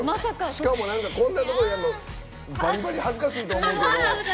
しかも、こんなことやるのバリバリ恥ずかしいと思うけど。